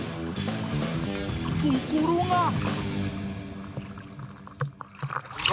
［ところが］